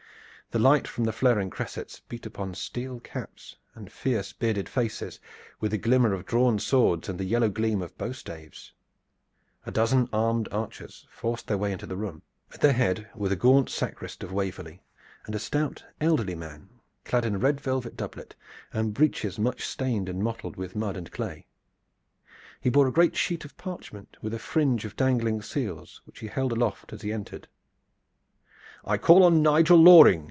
The light from the flaring cressets beat upon steel caps and fierce bearded faces, with the glimmer of drawn swords and the yellow gleam of bowstaves. A dozen armed archers forced their way into the room. At their head were the gaunt sacrist of Waverley and a stout elderly man clad in a red velvet doublet and breeches much stained and mottled with mud and clay. He bore a great sheet of parchment with a fringe of dangling seals, which he held aloft as he entered. "I call on Nigel Loring!"